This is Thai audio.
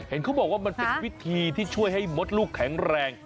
เขาบอกว่ามันเป็นวิธีที่ช่วยให้มดลูกแข็งแรง